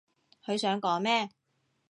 佢想講咩？